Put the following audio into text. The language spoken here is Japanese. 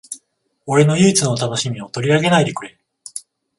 俺の唯一の楽しみを取り上げないでくれ